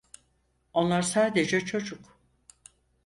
Onlar sadece çocuk.